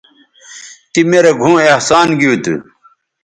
تی می رے گھؤں احسان گیو تھو